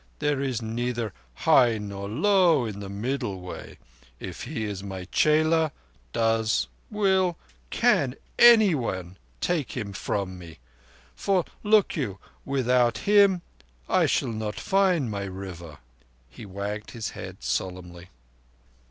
There is neither high nor low in the Middle Way. If he is my chela—does—will—can anyone take him from me? for, look you, without him I shall not find my River." He wagged his head solemnly.